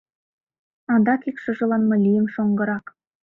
Адак ик шыжылан мый лийым шоҥгырак.